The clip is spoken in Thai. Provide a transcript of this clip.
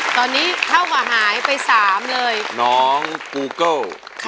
ตอนนี้เท่ากับหายไปสามเลยน้องกูเกิ้ล